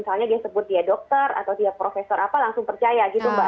misalnya dia sebut dia dokter atau dia profesor apa langsung percaya gitu mbak